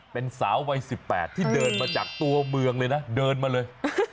เป็นสาววัย๑๘ที่เดินมาจากตัวเมืองเลยนะเดินมาเลย